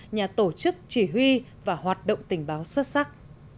nhà tổ chức chỉ huy và hoạt động tình báo xuất sắc